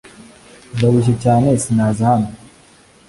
ndarushye cyane sinaza hano.